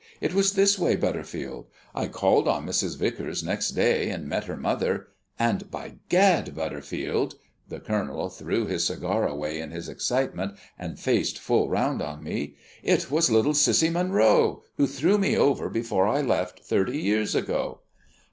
"It was this way, Butterfield. I called on Mrs. Vicars next day, and met her mother, and, by Gad, Butterfield" the Colonel threw his cigar away in his excitement, and faced full round on me "it was little Cissie Munro, who threw me over before I left, thirty years ago!